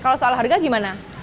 kalau soal harga gimana